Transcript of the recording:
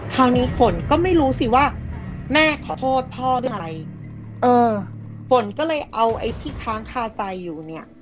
คราวนี้ฝนก็ไม่รู้สิว่าแม่ขอโทษพ่อเรื่องอะไรเออฝนก็เลยเอาไอ้ที่ค้างคาใจอยู่เนี่ย